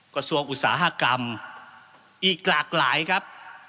กระทรวงอุตสาหกรรมอีกหลากหลายครับ